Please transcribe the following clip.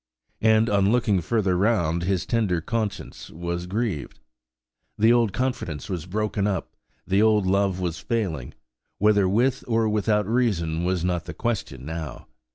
And on looking further round, his tender conscience was grieved. The old confidence was broken up, the old love was failing–whether with or without a reason was not the question now.